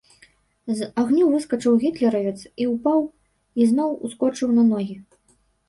З агню выскачыў гітлеравец і ўпаў і зноў ускочыў на ногі.